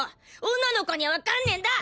女の子にはわかんねンだ！